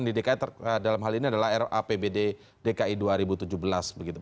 di dki dalam hal ini adalah rapbd dki dua ribu tujuh belas begitu